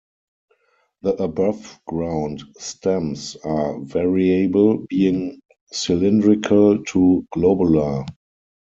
The above-ground stems are variable, being cylindrical to globular.